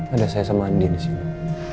ada saya sama andi di sini